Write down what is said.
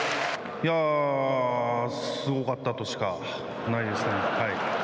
いやあすごかったとしかないですね。